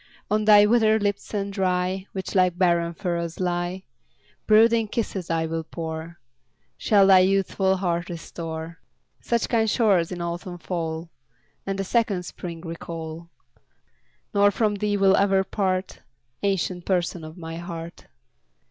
On thy withered lips and dry, Which like barren furrows lie, Brooding kisses I will pour, Shall thy youthful heart restore, Such kind show'rs in autumn fall, And a second spring recall; Nor from thee will ever part, Ancient Person of my heart.